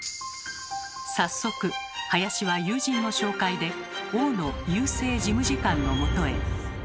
早速林は友人の紹介で大野郵政事務次官のもとへ。